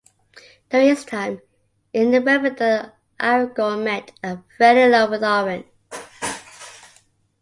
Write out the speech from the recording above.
During his time in Rivendell Aragorn met and fell in love with Arwen.